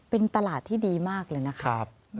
เป็นตลาดที่ดีมากเลยนะครับ